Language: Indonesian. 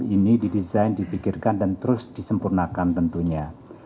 ini didesain dipikirkan dan terus disempurnakan tentunya